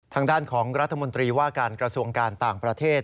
ทางด้านของรัฐมนตรีว่าการกระทรวงการต่างประเทศ